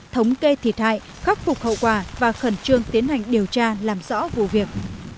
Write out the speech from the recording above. thống kê thiệt hại khắc phục hậu quả và khẩn trương tiến hành điều tra làm rõ vụ việc